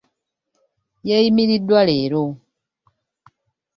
Yeeyimiriddwa leero.